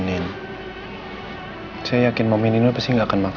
nanti aku akan bilang ke dia